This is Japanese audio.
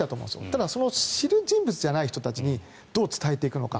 ただ、知る人物じゃない人にどう伝えていくのか。